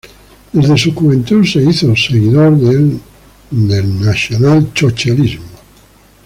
Desde su juventud se hizo seguidor del Nacionalsocialismo.